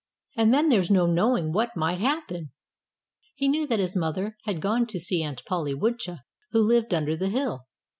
And then there's no knowing what might happen." He knew that his mother had gone to see Aunt Polly Woodchuck, who lived under the hill.